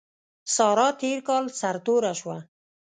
سارا تېر کال سر توره شوه.